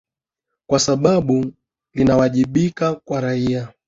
kwa sababu linawajibika kwa raia